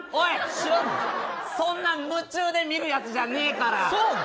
そんなん夢中で見るやつじゃねえから。